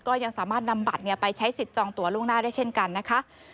ก็ยังสามารถนำบัตรไปใช้สิทธิ์จองตัวล่วงหน้าได้เช่นกันนะคะ